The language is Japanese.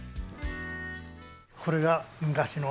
これが昔の。